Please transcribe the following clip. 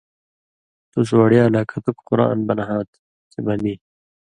تُس وڑیا لا کتُک قرآن بنہاں تھہ کھیں بنی؛